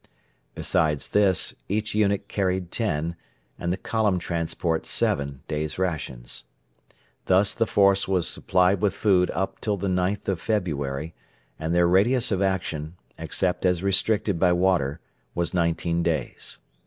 Besides this, each unit carried ten, and the column transport seven, days' rations. Thus the force were supplied with food up till the 9th of February, and their radius of action, except as restricted by water, was nineteen days.